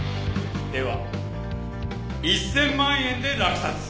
では１，０００万円で落札。